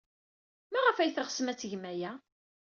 Maɣef ay teɣsem ad tgem aya?